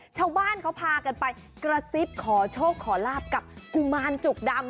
ชาวบ้านเขาพากันไปกระซิบขอโชคขอลาบกับกุมารจุกดำ